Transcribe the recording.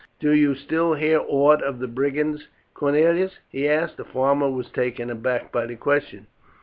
"Do you still hear aught of the brigands, Cornelius?" he asked. The farmer was taken aback by this question.